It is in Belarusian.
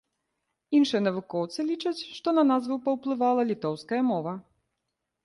Іншыя навукоўцы лічаць, што на назву паўплывала літоўская мова.